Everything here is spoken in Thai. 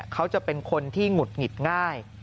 เขาจะเป็นคนที่หงุดหงิดง่าย